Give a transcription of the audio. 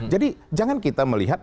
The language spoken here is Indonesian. jadi jangan kita melihat